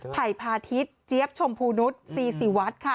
ไผ่พาทิศเจี๊ยบชมพูนุษย์ซีซีวัดค่ะ